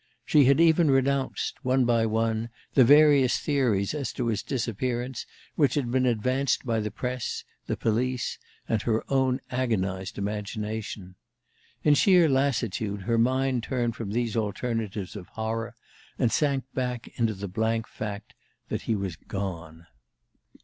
She had even renounced, one by one, the various theories as to his disappearance which had been advanced by the press, the police, and her own agonized imagination. In sheer lassitude her mind turned from these alternatives of horror, and sank back into the blank fact that he was gone.